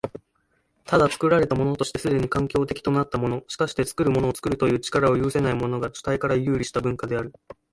ただ、作られたものとして既に環境的となったもの、しかして作るものを作るという力を有せないものが、主体から遊離した文化である。